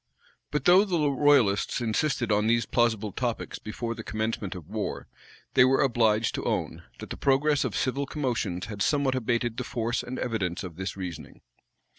But though the royalists insisted on these plausible topics before the commencement of war, they were obliged to own, that the progress of civil commotions had somewhat abated the force and evidence of this reasoning.